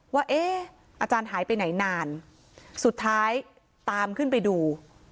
ว่าเอ๊ะอาจารย์หายไปไหนนานสุดท้ายตามขึ้นไปดู